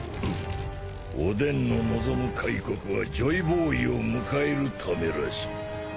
おでんの望む開国はジョイボーイを迎えるためらしい